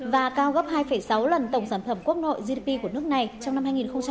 và cao gấp hai sáu lần tổng sản phẩm quốc nội gdp của nước này trong năm hai nghìn một mươi chín